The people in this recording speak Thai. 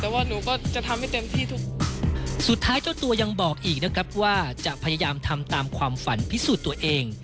แต่ว่าหนูก็จะทำให้เต็มที่ทุกสุดท้ายเจ้าตัวยังบอกอีกนะครับว่าจะพยายามทำตามความฝันพิสูจน์ตัวเอง